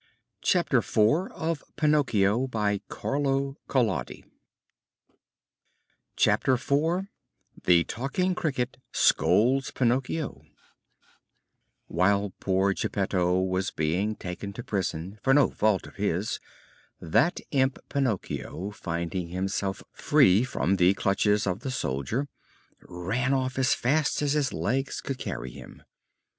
should have thought of it sooner!" CHAPTER IV THE TALKING CRICKET SCOLDS PINOCCHIO While poor Geppetto was being taken to prison for no fault of his, that imp Pinocchio, finding himself free from the clutches of the soldier, ran off as fast as his legs could carry him.